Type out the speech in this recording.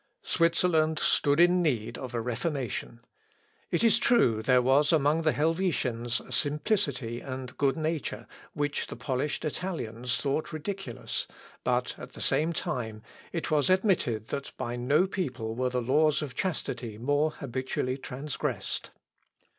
Switzerland stood in need of a reformation. It is true there was among the Helvetians a simplicity and good nature, which the polished Italians thought ridiculous, but, at the same time, it was admitted that by no people were the laws of chastity more habitually transgressed.